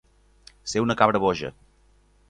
Ser una cabra boja.